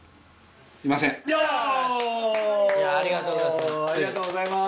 ではありがとうございます。